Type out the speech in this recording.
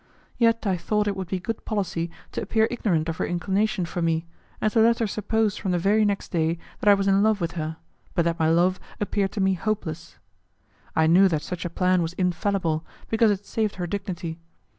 Yet I thought it would be good policy to appear ignorant of her inclination for me, and to let her suppose from the very next day that I was in love with her, but that my love appeared to me hopeless. I knew that such a plan was infallible, because it saved her dignity.